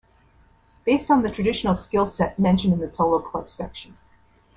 Based on the traditional skill set mentioned in the solo club section.